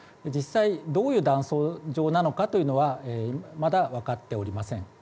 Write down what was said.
どういう断層状のなのかはまだ分かっておりません。